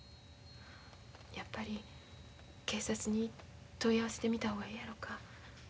やっぱり警察に問い合わせてみた方がええやろか。